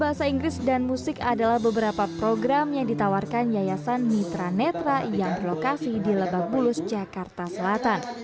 bahasa inggris dan musik adalah beberapa program yang ditawarkan yayasan mitra netra yang berlokasi di lebak bulus jakarta selatan